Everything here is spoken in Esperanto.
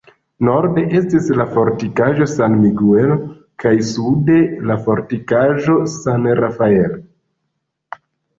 Norde estis la fortikaĵo San Miguel kaj sude la fortikaĵo San Rafael.